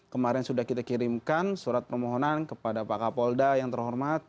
kemarin sudah kita kirimkan surat permohonan kepada pak kapolda yang terhormat